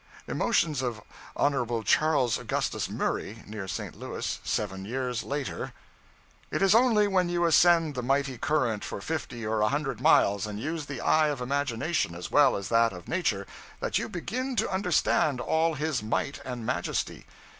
Emotions of Hon. Charles Augustus Murray (near St. Louis), seven years later 'It is only when you ascend the mighty current for fifty or a hundred miles, and use the eye of imagination as well as that of nature, that you begin to understand all his might and majesty.